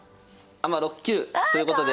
アマ６級ということで。